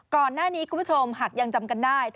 ก่อนหน้านี้คุณผู้ชมหากยังจำกันได้